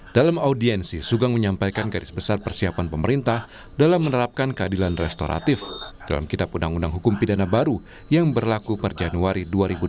dalam audiensi sugeng menyampaikan garis besar persiapan pemerintah dalam menerapkan keadilan restoratif dalam kitab undang undang hukum pidana baru yang berlaku per januari dua ribu delapan belas